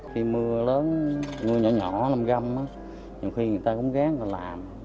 khi mưa lớn mưa nhỏ nhỏ lâm găm á nhiều khi người ta cũng gán là làm